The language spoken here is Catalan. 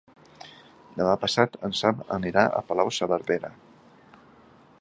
Demà passat en Sam anirà a Palau-saverdera.